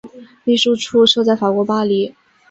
秘书处设在法国巴黎。